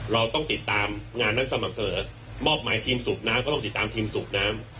เราต้องติดตามงานนั้นสม่ำเสมอมอบหมายทีมสูบน้ำก็ต้องติดตามทีมสูบน้ำ